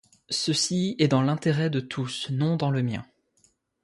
Ceci est dans l'intérêt de tous, non dans le mien.